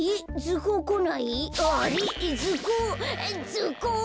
ずこう！